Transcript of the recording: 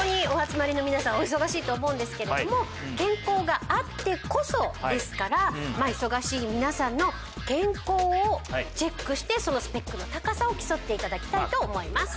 お忙しいと思うんですけれども健康があってこそですからまあ忙しい皆さんの健康をチェックしてそのスペックの高さを競っていただきたいと思います。